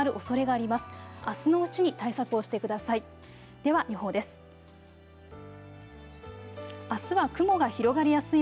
あすのうちに対策をしてください。